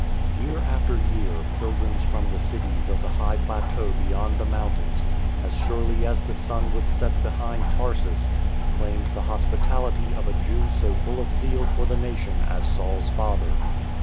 Year after year pilgrims from the cities of the high plateau beyond the mountains, as surely as the sun would set behind Taurus, claimed the hospitality of a Jew so full of zeal for the nation as Saul's father.